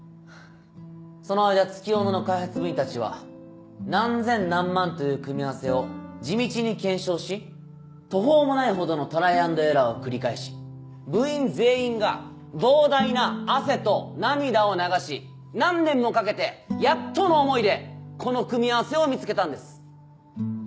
その間月夜野の開発部員たちは何千何万という組み合わせを地道に検証し途方もないほどのトライアンドエラーを繰り返し部員全員が膨大な汗と涙を流し何年もかけてやっとの思いでこの組み合わせを見つけたんです。